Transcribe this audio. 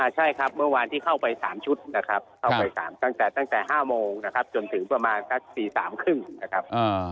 ใช่ครับเมื่อวานที่เข้าไป๓ชุดนะครับเข้าไปตั้งแต่๕โมงนะครับจนถึงประมาณสักตี๓๓๐นะครับ